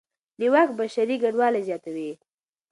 نیواک بشري کډوالۍ زیاتوي.